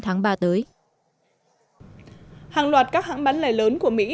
hàng loạt các hãng bán lẻ lớn của mỹ